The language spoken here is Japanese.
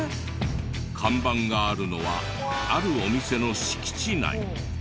看板があるのはあるお店の敷地内。